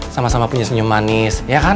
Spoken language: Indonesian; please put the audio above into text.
sama sama punya senyum manis